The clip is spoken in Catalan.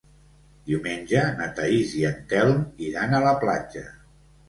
Diumenge na Thaís i en Telm iran a la platja.